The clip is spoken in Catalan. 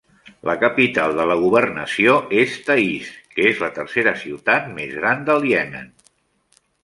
La capital de la governació és Taiz, que és la tercera ciutat més gran del Iemen.